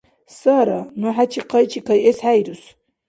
Сара, ну хӀечи хъайчикайэс хӀейрус.